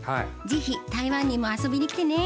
ぜひ台湾にも遊びに来てね。